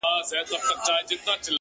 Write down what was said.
اې گوره تاته وايم ـ